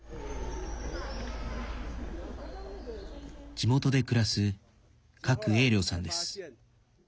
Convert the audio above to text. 地元で暮らす郭盈良さんです。